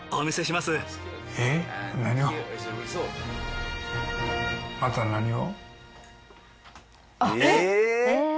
また何を？